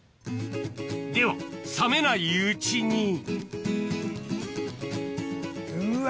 では冷めないうちにうわ。